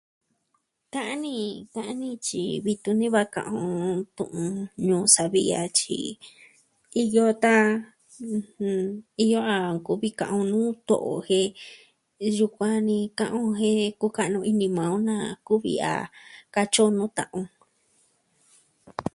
Ta'an ini ni, ka'an ni tyi vii tuni va ka'an o. Tu'un Ñuu Savi ya'a tyi, iyo ta'an, iyo a nkuvi ka'an o nuu to'o jen yukuan ni, ka'an o jen kuka'nu ini maa o na kuvi a katyi o nuu ta'an o.